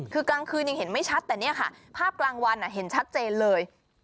คือกลางคืนยังเห็นไม่ชัดแต่เนี่ยค่ะภาพกลางวันเห็นชัดเจนเลย